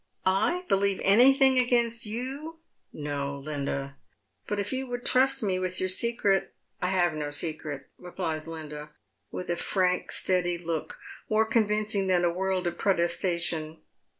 "I believe anj thing against you? No, Linda. But if you would trust me with your secret "" I have no secret," replies Linda, with a frank, steady look, more convincing than a world of protestation.